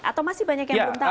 atau masih banyak yang belum tahu